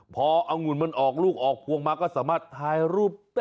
พอองุ่นมันออกลูกออกพวงมาก็สามารถถ่ายรูป